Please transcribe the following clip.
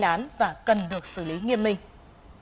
và cần được xử lý nghiêm minh